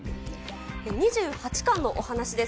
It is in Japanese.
２８巻のお話です。